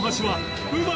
はい。